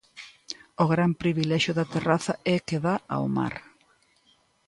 O gran privilexio da terraza é que dá ao mar.